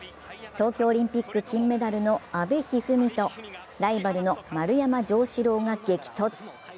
東京オリンピック金メダルの阿部一二三とライバルの丸山城志郎が激突。